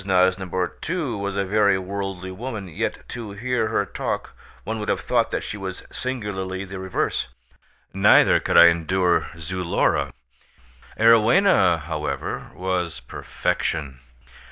Nosnibor, too, was a very worldly woman, yet to hear her talk one would have thought that she was singularly the reverse; neither could I endure Zulora; Arowhena however was perfection.